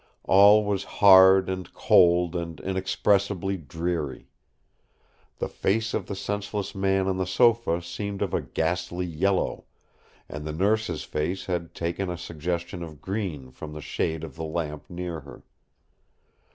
All was hard and cold and inexpressibly dreary. The face of the senseless man on the sofa seemed of a ghastly yellow; and the Nurse's face had taken a suggestion of green from the shade of the lamp near her.